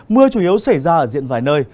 mưa chủ yếu xảy ra ở diện vài nơi